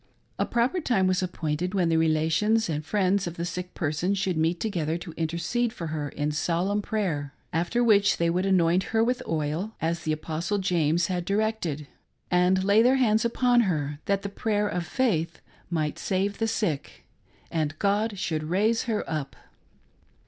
A proper time was appointed when the relations and friends of the sick person should meet together to intercede for her in solemn prayer, after which they would anoint her with oil, as the Apostle James had directed, and lay their hands upon her, that the prayer of faith might save the sick, and God should raise her up.